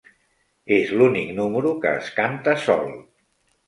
És l'únic número que es canta sol.